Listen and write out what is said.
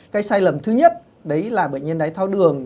cái sai lầm thứ nhất là bệnh nhân đài tháo đường